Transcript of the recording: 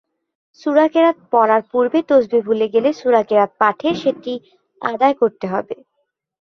সূর-কেরাত পড়ার পূর্বে তাসবীহ ভুলে গেলে সূরা-কেরাত পাঠের সেটি আদায় করতে হবে।